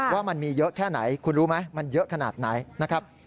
ว่ามันมีเยอะแค่ไหนคุณรู้ไหมมันเยอะขนาดไหนนะครับ